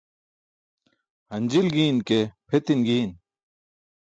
Hanjil ġiin ke pʰetin ġiin.